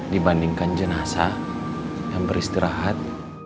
dibandingkan jenazah yang beristirahat